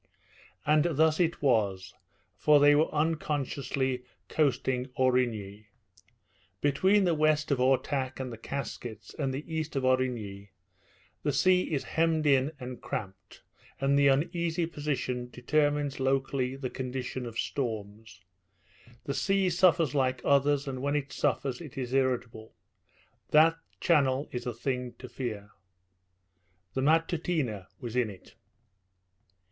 And thus it was, for they were unconsciously coasting Aurigny. Between the west of Ortach and the Caskets and the east of Aurigny the sea is hemmed in and cramped, and the uneasy position determines locally the condition of storms. The sea suffers like others, and when it suffers it is irritable. That channel is a thing to fear. The Matutina was in it.